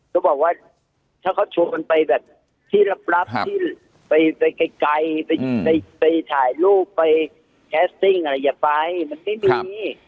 เขาบอกว่าถ้าเขาชวนกันไปแบบที่ลับที่ไปไกลไปถ่ายรูปไปแคสติ้งอะไรอย่าไปมันไม่มี